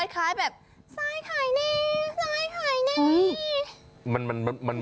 คล้ายแบบซ้อยขายเนมซ้อยขายเนม